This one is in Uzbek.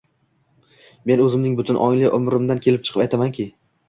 Men o‘zimning butun ongli umrimdan kelib chiqib aytamanki